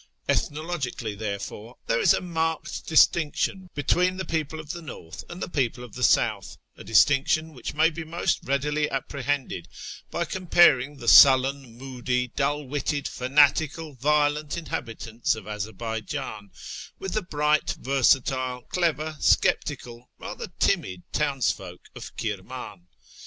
I'thnologically, therefore, there is a marked dis tinction between the jjeople of the north and the people of the south — a distinction which may be most readily apprehended by comparing the sullen, moody, dull witted, fanatical, violent inhabitants of AzarbaijVm with the bright, versatile, clever, sceptical, rather timid townsfolk of Kirm; in.